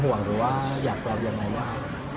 และเรามีกันอยู่แค่สองคน